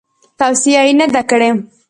توصیه یې نه ده کړې.